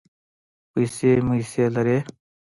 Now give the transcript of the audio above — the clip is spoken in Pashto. پیسې مېسې لرې.